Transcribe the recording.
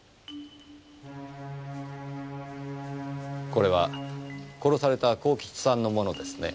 これは殺された幸吉さんの物ですね？